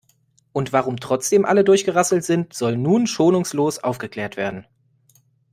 Und warum trotzdem alle durchgerasselt sind, soll nun schonungslos aufgeklärt werden.